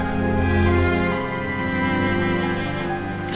terus berutangku sayang